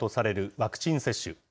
ワクチン接種。